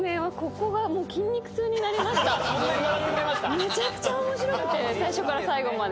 めちゃくちゃ面白くて最初から最後まで。